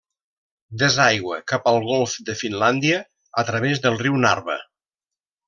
Desaigua cap al golf de Finlàndia a través del riu Narva.